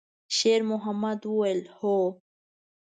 شېرمحمد وویل: «هو.»